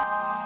gue gak tahu